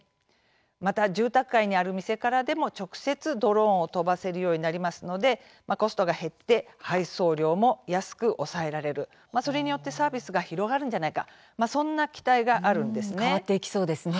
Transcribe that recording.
また、住宅街にある店からでも直接ドローンを飛ばせるようになりますのでコストが減って配送料も安く抑えられるそれによってサービスが広がるんじゃないか変わっていきそうですね。